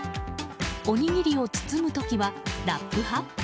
おにぎりを包む時はラップ派？